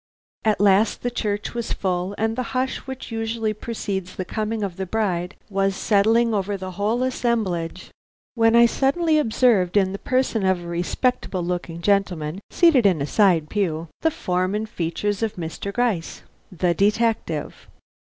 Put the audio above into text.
At last the church was full, and the hush which usually precedes the coming of the bride was settling over the whole assemblage, when I suddenly observed, in the person of a respectable looking gentleman seated in a side pew, the form and features of Mr. Gryce, the detective.